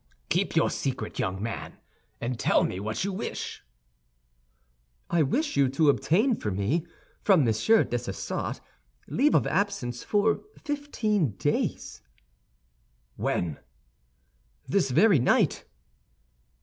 "Keep your secret, young man, and tell me what you wish." "I wish you to obtain for me, from Monsieur Dessessart, leave of absence for fifteen days." "When?" "This very night."